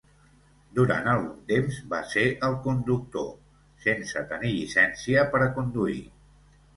Durant algun temps, va ser el conductor sense tenir llicència per a conduir.